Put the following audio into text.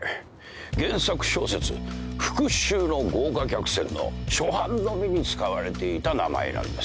原作小説『復讐の豪華客船』の初版のみに使われていた名前なんです。